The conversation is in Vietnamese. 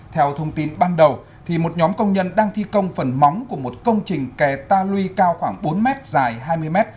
theo thông tin ban đầu một nhóm công nhân đang thi công phần móng của một công trình kè ta lui cao khoảng bốn m dài hai mươi m